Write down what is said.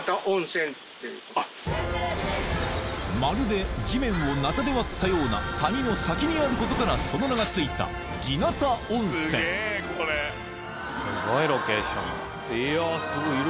まるで地面を鉈で割ったような谷の先にあることからその名が付いたいや。